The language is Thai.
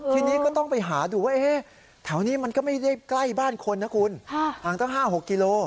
ทีนี้ก็ต้องไปหาดูว่าแถวนี้มันก็ไม่ได้ใกล้บ้านคนนะคุณห่างตั้ง๕๖กิโล